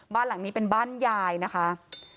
บ้านหลังนี้เป็นบ้านยายนะคะ